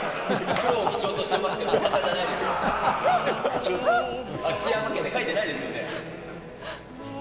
黒を基調としてますけど、お墓じゃないです。